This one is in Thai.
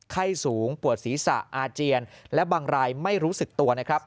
ไข้สูงปวดศีรษะอาเจียนและบางรายไม่รู้สึกตัวนะครับ